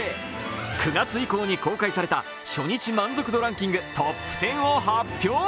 ９月以降に公開された初日満足度ランキングトップ１０を発表。